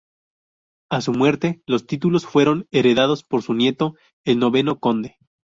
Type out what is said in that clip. A su muerte, los títulos fueron heredados por su nieto, el noveno Conde.